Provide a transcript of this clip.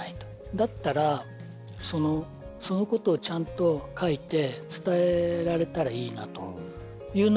だったらそのことをちゃんと書いて伝えられたらいいなというのがモチベーションでした。